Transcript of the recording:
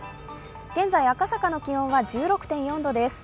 現在、赤坂の気温は１６．４度です。